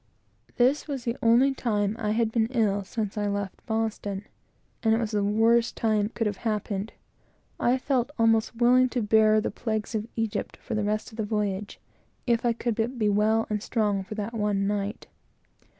This was the only time I had been ill since I left Boston, and it was the worst time it could have happened. I felt almost willing to bear the plagues of Egypt for the rest of the voyage, if I could but be well and strong for that one night.